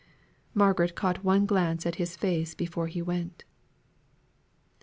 Margaret caught one glance at his face before he went.